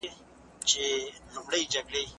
موږ پېښې د تاریخ له نظره ګورو.